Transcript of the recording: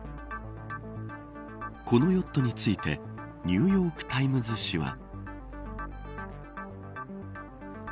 このヨットについてニューヨーク・タイムズ紙は。